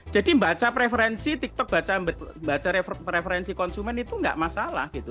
jadi membaca preferensi tiktok membaca preferensi konsumen itu enggak masalah gitu